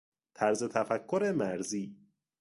طرز تفکر مرزی